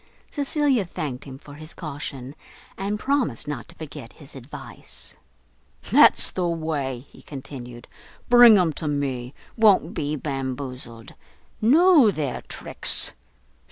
Cecilia thanked him for his caution, and promised not to forget his advice. "That's the way," he continued, "bring 'em to me. Won't be bamboozled. Know their tricks.